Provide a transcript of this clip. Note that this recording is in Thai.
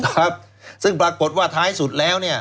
ครับซึ่งปรากฏว่าท้ายสุดแล้วเนี่ย